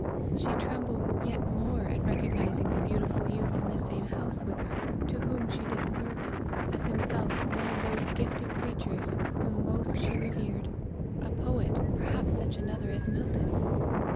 She trembled yet more at recognizing the beautiful youth in the same house with her, to whom she did service, as himself one of those gifted creatures whom most she revered a poet, perhaps another such as Milton!